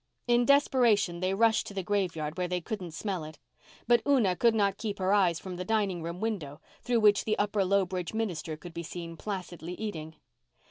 In desperation they rushed to the graveyard where they couldn't smell it. But Una could not keep her eyes from the dining room window, through which the Upper Lowbridge minister could be seen, placidly eating.